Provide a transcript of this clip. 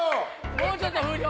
もうちょっと風量。